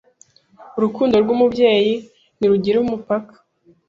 urukundo rw'umubyeyi ntirugira umupaka